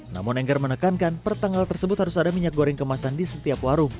namun enggar menekankan per tanggal tersebut harus ada minyak goreng kemasan di setiap warung